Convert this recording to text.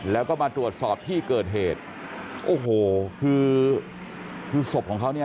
แล้วก็มาตรวจสอบที่เกิดเหตุโอ้โหคือคือศพของเขาเนี่ย